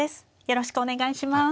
よろしくお願いします。